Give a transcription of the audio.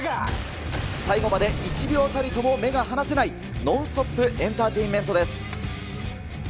最後まで１秒たりとも目が離せない、ノンストップエンターテインメントです。